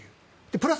プラス